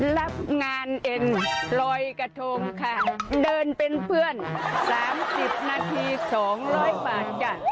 รับงานเอ็นลอยกระทงค่ะเดินเป็นเพื่อน๓๐นาที๒๐๐บาทจ้ะ